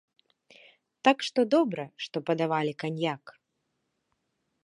Так што, добра, што падавалі каньяк!